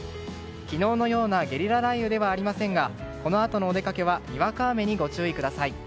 昨日のようなゲリラ雷雨ではありませんがこのあとのお出かけはにわか雨にご注意ください。